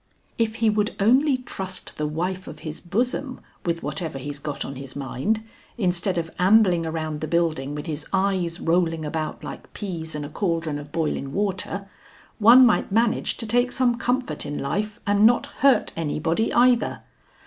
"If he would only trust the wife of his bosom with whatever he's got on his mind, instead of ambling around the building with his eyes rolling about like peas in a caldron of boiling water, one might manage to take some comfort in life, and not hurt anybody either.